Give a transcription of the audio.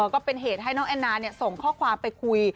ก็เป็นเหตุให้น้องแอนนาส่งข้อความไปคุย